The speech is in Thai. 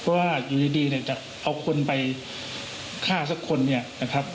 ว่าอยู่ดีดีเนี่ยจะเอาคนไปซักคนเนี่ยนะครับ